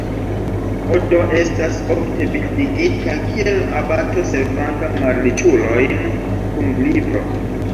Odo estas ofte bildigita kiel abato servanta malriĉulojn kun libro.